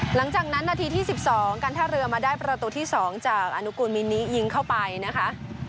นาทีที่๑๒การท่าเรือมาได้ประตูที่๒จากอนุกูลมินิยิงเข้าไปนะคะ